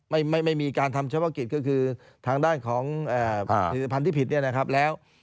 ไม่ไม่มีการทำเฉพาะกิจก็คือทางด้านของผลิตภัณฑ์ที่ผิดเนี่ยนะครับแล้ว